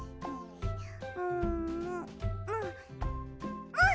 うん！